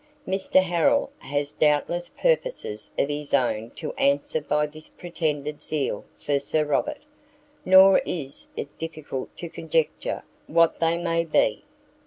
Mr Harrel has doubtless purposes of his own to answer by this pretended zeal for Sir Robert; nor is it difficult to conjecture what they may be.